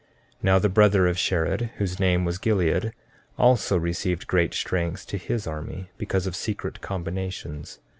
14:8 Now the brother of Shared, whose name was Gilead, also received great strength to his army, because of secret combinations.